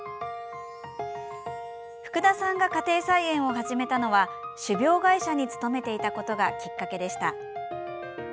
福田さんが家庭菜園を始めたのは種苗会社に勤めていたことがきっかけでした。